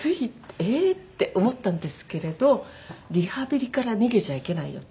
ええー！って思ったんですけれどリハビリから逃げちゃいけないよと。